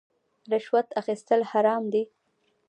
رشوت اخیستل حرام دي